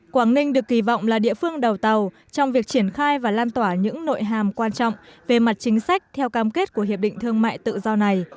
quảng ninh được kỳ vọng là địa phương đầu tàu trong việc triển khai và lan tỏa những nội hàm quan trọng về mặt chính sách theo cam kết của hiệp định thương mại tự do này